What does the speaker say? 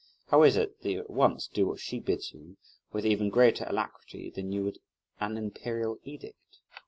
How is it that you at once do what she bids you, with even greater alacrity than you would an imperial edict?"